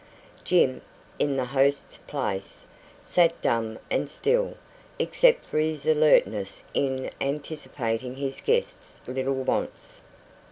Jim, in the host's place, sat dumb and still, except for his alertness in anticipating his guest's little wants.